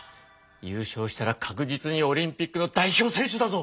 ゆうしょうしたら確実にオリンピックの代表選手だぞ！